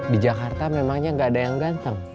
di jakarta memangnya nggak ada yang ganteng